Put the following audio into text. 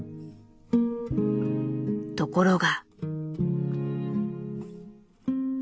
ところが。